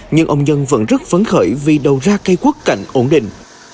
nhưng ông nhân vẫn rất phấn khởi vì đầu ra cây quất cảnh ổn định